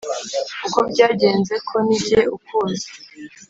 uko byagenze ko ni jye ukuzi.